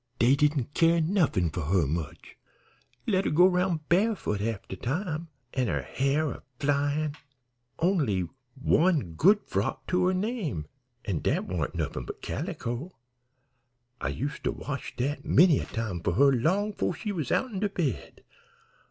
Dey didn't care nuffin for her much. Let 'er go roun' barefoot half de time, an' her hair a flyin'. Only one good frock to her name, an' dat warn't nuffin but calico. I used to wash dat many a time for her long 'fore she was outen her bed.